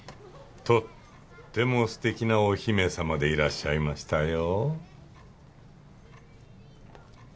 とってもすてきなお姫さまでいらっしゃいましたよ。